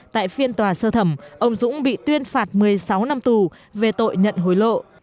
tại phiên tòa sơ thẩm ông dũng bị tuyên phạt một mươi sáu năm tù về tội nhận hối lộ